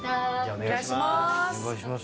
お願いします。